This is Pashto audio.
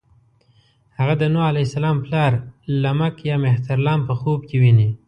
هغه د نوح علیه السلام پلار لمک یا مهترلام په خوب کې ويني.